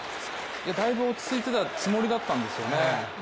だいぶ落ち着いてたつもりだったんですよね。